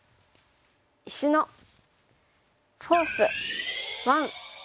「石のフォース１」。